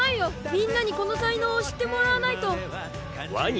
みんなにこの才能を知ってもらわないと。